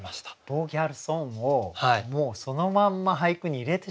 「ボーギャルソン！」をもうそのまんま俳句に入れてしまったと。